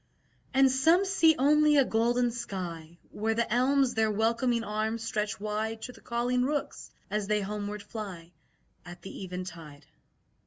And some see only a golden sky Where the elms their welcoming arms stretch wide To the calling rooks, as they homeward fly At the eventide.